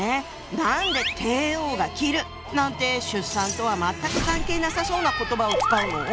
何で「帝王が切る」なんて出産とは全く関係なさそうな言葉を使うの？